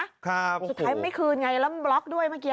สุดท้ายไม่คืนไงแล้วบล็อกด้วยเมื่อกี้